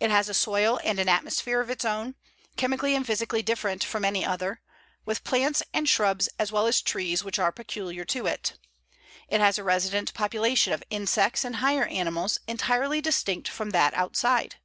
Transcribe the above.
It has a soil and an atmosphere of its own, chemically and physically different from any other, with plants and shrubs as well as trees which are peculiar to it. It has a resident population of insects and higher animals entirely distinct from that outside.